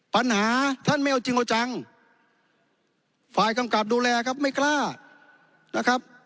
ปัญหาท่านไม่เอาจริงเอาจังฝ่ายกำกับดูแลครับไม่กล้านะครับ